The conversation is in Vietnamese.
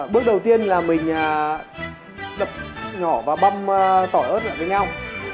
bước đầu tiên là mình đập nhỏ và băm tỏi ớt lại với nhau